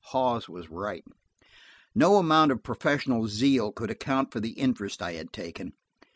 Hawes was right. No amount of professional zeal could account for the interest I had taken.